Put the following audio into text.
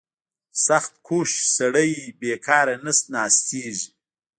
• سختکوش سړی بېکاره نه ناستېږي.